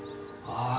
ああ